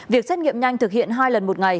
việc xét nghiệm nhanh thực hiện hai lần một ngày